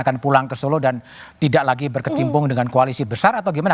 akan pulang ke solo dan tidak lagi berkecimpung dengan koalisi besar atau gimana